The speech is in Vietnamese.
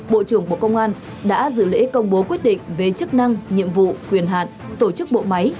bộ trưởng bộ công an đã dự lễ công bố quyết định về chức năng nhiệm vụ quyền hạn tổ chức bộ máy